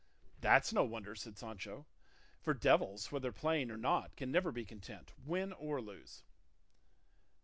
"That's no wonder," said Sancho; "for devils, whether playing or not, can never be content, win or lose."